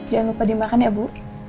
jangan lupa dimakan ya bu